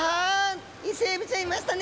イセエビちゃんいましたね。